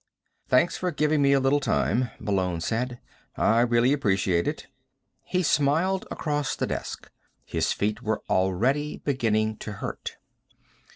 "Thanks for giving me a little time," Malone said. "I really appreciate it." He smiled across the desk. His feet were already beginning to hurt.